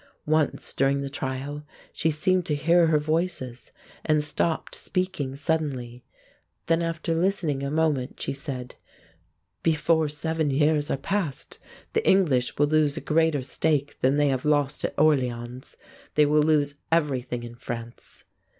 Once during the trial she seemed to hear her Voices and stopped speaking suddenly. Then after listening a moment she said, "Before seven years are passed the English will lose a greater stake than they have lost at Orléans: they will lose everything in France."